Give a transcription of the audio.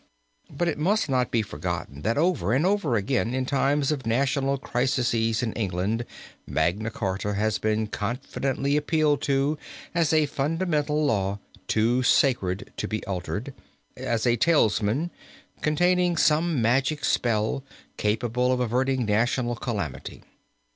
But it must not be forgotten that over and over again in times of national crises in England, Magna Charta has been confidently appealed to as a fundamental law too sacred to be altered, as a talisman containing some magic spell capable of averting national calamity.